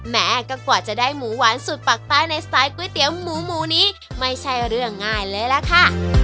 แม้ก็กว่าจะได้หมูหวานสูตรปากใต้ในสไตล์ก๋วยเตี๋ยวหมูหมูนี้ไม่ใช่เรื่องง่ายเลยล่ะค่ะ